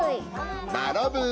マロブー！